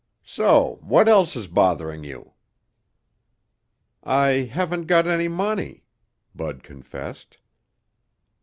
So what else is bothering you?" "I haven't got any money," Bud confessed.